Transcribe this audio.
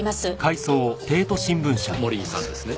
森井さんですね？